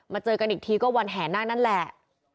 เจอกันอีกทีก็วันแห่นาคนั่นแหละ